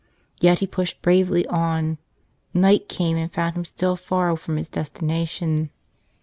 Yet he pushed bravely on. Night came and found him still far from his destination.